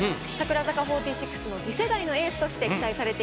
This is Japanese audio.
櫻坂４６の次世代のエースとして期待されています。